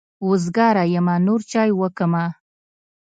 وزګاره يمه نور چای وکمه.